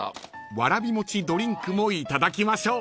［わらびもちドリンクもいただきましょう］